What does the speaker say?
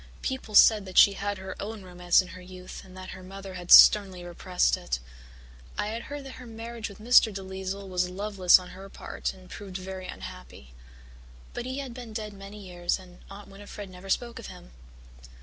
People said that she had had her own romance in her youth and that her mother had sternly repressed it. I had heard that her marriage with Mr. DeLisle was loveless on her part and proved very unhappy. But he had been dead many years, and Aunt Winnifred never spoke of him.